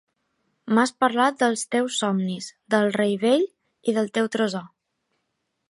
M'has parlat dels teus somnis, del rei vell y del teu tresor.